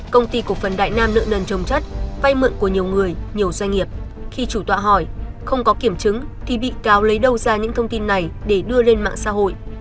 công ty cổ phần đại nam nợ nần trồng chất vay mượn của nhiều người nhiều doanh nghiệp khi chủ tọa hỏi không có kiểm chứng thì bị cáo lấy đâu ra những thông tin này để đưa lên mạng xã hội